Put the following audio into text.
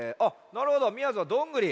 なるほどみやぞんは「どんぐり」。